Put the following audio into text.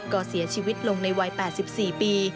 ก็เสียชีวิตลงในวัย๘๔ปี